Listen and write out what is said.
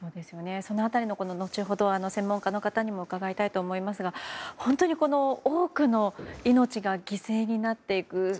その辺りも後ほど専門家の方にも伺いたいと思いますが本当に多くの命が犠牲になっていく。